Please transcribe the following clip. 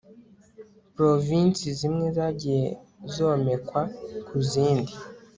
provinsi zimwe zagiye zomekwa ku zindi